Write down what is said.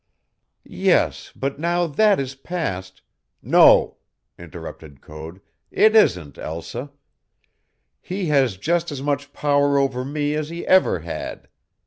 "Yes, but now that is past " "No," interrupted Code, "it isn't, Elsa. He has just as much power over me as he ever had.